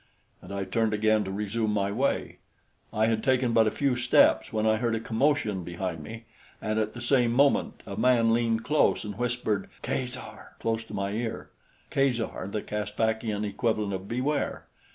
And I turned again to resume my way. I had taken but a few steps when I heard a commotion behind me, and at the same moment a man leaned close and whispered "Kazar!" close to my ear kazar, the Caspakian equivalent of beware.